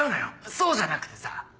そうじゃなくてさ。